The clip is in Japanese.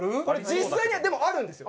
実際にはでもあるんですよ。